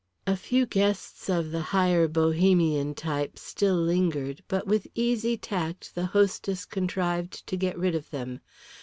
A few guests of the higher Bohemian type still lingered, but with easy tact the hostess contrived to get rid of them.